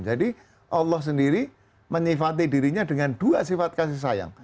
jadi allah sendiri menyifati dirinya dengan dua sifat kasih sayang